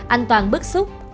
anh toàn bức xúc